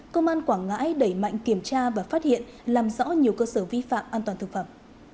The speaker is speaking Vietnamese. công an quảng ngãi đẩy mạnh kiểm tra và phát hiện làm rõ nhiều cơ sở vi phạm an toàn thực phẩm